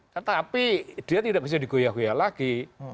tetapi dia tidak bisa digoyah goyah lagi